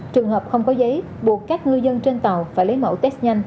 trường hợp không có giấy buộc các ngư dân trên tàu phải lấy mẫu test nhanh